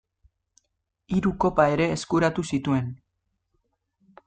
Hiru kopa ere eskuratu zituen.